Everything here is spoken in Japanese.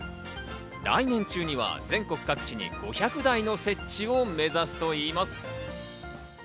来年中には全国各地に５００台の設置を目指すといいます。